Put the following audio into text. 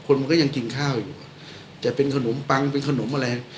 มันก็ยังกินข้าวอยู่แต่เป็นขนมปังเป็นขนมอะไร